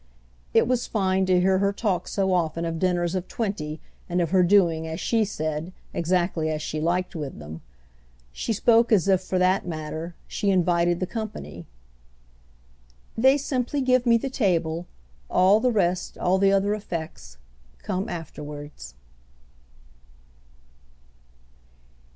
It was fine to hear her talk so often of dinners of twenty and of her doing, as she said, exactly as she liked with them. She spoke as if, for that matter, she invited the company. "They simply give me the table—all the rest, all the other effects, come afterwards."